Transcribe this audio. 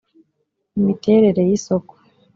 imiterere y isoko